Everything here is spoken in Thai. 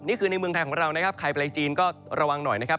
ในเมืองไทยของเรานะครับใครไปจีนก็ระวังหน่อยนะครับ